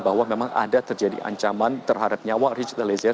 bahwa memang ada terjadi ancaman terhadap nyawa richard eliezer